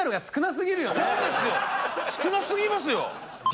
少なすぎますよ